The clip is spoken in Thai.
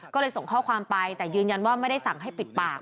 ก็เลยส่งข้อความไปแต่ยืนยันว่าไม่ได้สั่งให้ปิดปาก